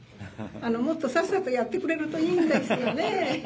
もっとさっさとやってくれるといいんですよね。